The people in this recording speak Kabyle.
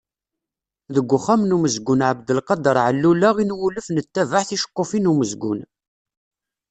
Deg Uxxam n umezgun Ɛebdelkader Allula i nwulef nettabaɛ ticeqqufin n umezgun.